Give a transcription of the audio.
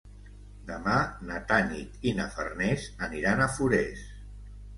Demà na Tanit i na Farners aniran a Forès.